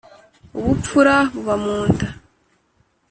Ubupfura buba mu nda.